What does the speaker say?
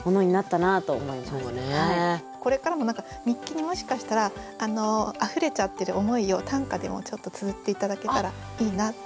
これからも日記にもしかしたら溢れちゃってる思いを短歌でもちょっとつづって頂けたらいいなって思いました。